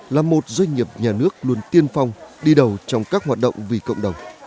là một doanh nghiệp nhà nước luôn tiên phong đi đầu trong các hoạt động vì cộng đồng